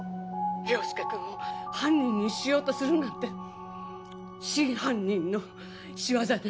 凌介君を犯人にしようとするなんて真犯人の仕業ね。